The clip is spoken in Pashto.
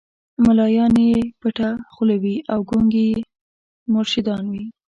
مُلایان یې پټه خوله وي او ګونګي یې مرشدان وي